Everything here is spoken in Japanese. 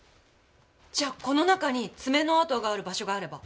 じゃあこの中につめの跡がある場所があれば。